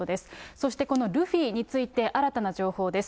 そしてこのルフィについて、新たな情報です。